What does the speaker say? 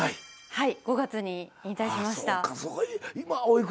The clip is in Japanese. はい。